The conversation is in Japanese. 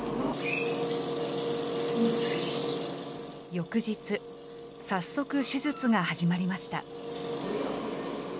翌日、早速、手術が始まりました。